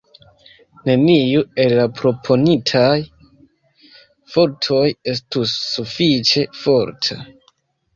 Neniu el la proponitaj fortoj estus sufiĉe forta.